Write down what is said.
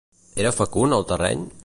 Era fecund el terreny?